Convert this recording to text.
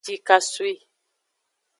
Jikasoi.